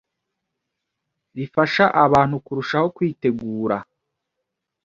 rifasha abantu kurushaho kwitegura